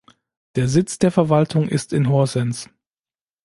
Der Sitz der Verwaltung ist in Horsens.